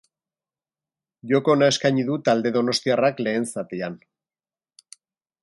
Joko ona eskaini du talde donostiarrak lehen zatian.